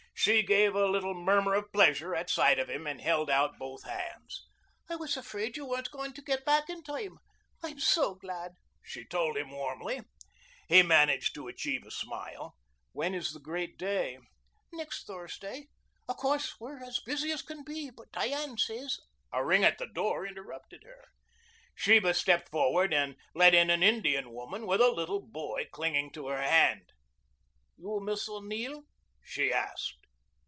She gave a little murmur of pleasure at sight of him and held out both hands. "I was afraid you weren't going to get back in time. I'm so glad," she told him warmly. He managed to achieve a smile. "When is the great day?" "Next Thursday. Of course, we're as busy as can be, but Diane says " A ring at the door interrupted her. Sheba stepped forward and let in an Indian woman with a little boy clinging to her hand. "You Miss O'Neill?" she asked.